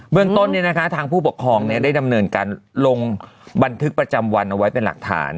เมืองต้นทางผู้ปกครองได้ดำเนินการลงบันทึกประจำวันเอาไว้เป็นหลักฐาน